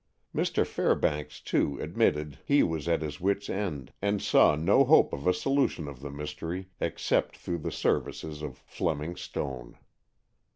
Mr. Fairbanks, too, admitted that he was at his wits' end, and saw no hope of a solution of the mystery except through the services of Fleming Stone.